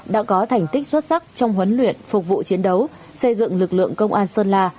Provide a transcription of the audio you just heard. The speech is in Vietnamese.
đã có thành tích xuất sắc trong huấn luyện phục vụ chiến đấu xây dựng lực lượng công an sơn la